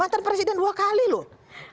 mantan presiden dua kali loh